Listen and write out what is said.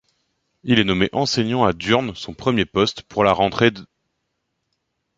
Il est nommé enseignant à Durnes, son premier poste, pour la rentrée d’.